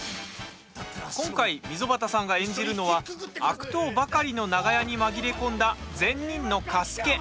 今回、溝端さんが演じるのは悪党ばかりの長屋に紛れ込んだ善人の加助。